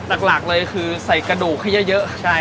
จากหลักเลยคือใส่กระดูกให้เยอะใช่ครับ